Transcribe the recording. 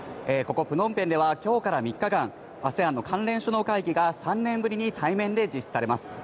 ここ、プノンペンでは今日から３日間、ＡＳＥＡＮの関連首脳会議が３年ぶりに対面で実施されます。